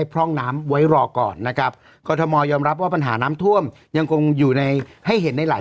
ก็มีค่าหล่อเลยเสียท้าย